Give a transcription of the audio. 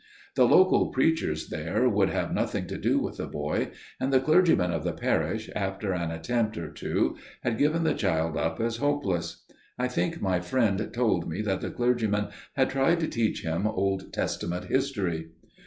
The local preachers there would have nothing to do with the boy; and the clergyman of the parish, after an attempt or two, had given the child up as hopeless. I think my friend told me that the clergyman had tried to teach him Old Testament history.